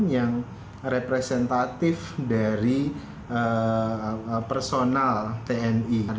yang representatif dari personal tni